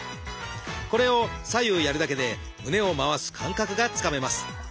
これを左右やるだけで胸を回す感覚がつかめます。